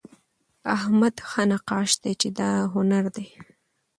احمد ښه نقاش دئ، چي دا هنر دئ.